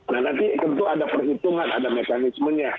nah nanti tentu ada perhitungan ada mekanismenya